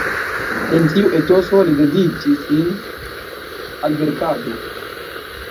En tiu etoso li dediĉis sin al verkado.